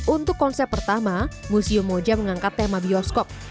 untuk konsep pertama museum moja mengangkat tema bioskop